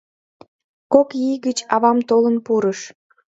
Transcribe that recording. Кок ий гыч авам толын пурыш.